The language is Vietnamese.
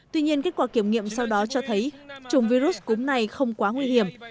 tuy nhiên kết quả kiểm nghiệm sau đó cho thấy chủng virus cúm này không quá nguy hiểm